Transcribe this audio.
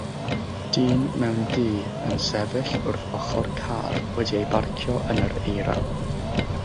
Dyn mewn du yn sefyll wrth ochr car wedi'i barcio yn yr eira.